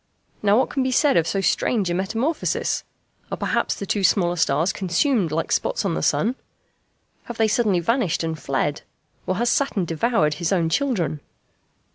Now what can be said of so strange a metamorphosis? Are perhaps the two smaller stars consumed like spots on the sun? Have they suddenly vanished and fled? Or has Saturn devoured his own children?